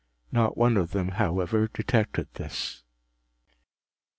Not one of them, however, detected this.